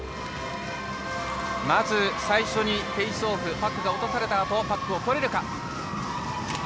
まず、最初にフェースオフパックが落とされたあとパックがとれるか。